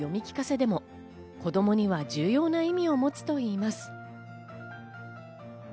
でも子供には重要な意味を持つといいます。